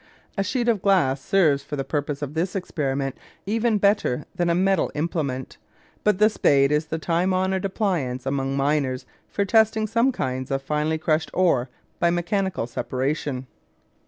A sheet of glass serves for the purpose of this experiment even better than a metal implement; but the spade is the time honoured appliance among miners for testing some kinds of finely crushed ore by mechanical separation.